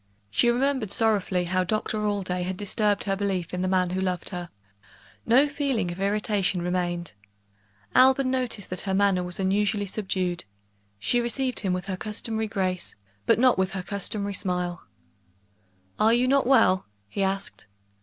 She remembered sorrowfully how Doctor Allday had disturbed her belief in the man who loved her; no feeling of irritation remained. Alban noticed that her manner was unusually subdued; she received him with her customary grace, but not with her customary smile. "Are you not well?" he asked.